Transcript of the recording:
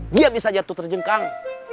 dia bisa jatuh terjengkang